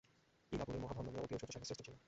ইলাপুরে মহাধন নামে অতি ঐশ্বর্যশালী শ্রেষ্ঠী ছিলেন।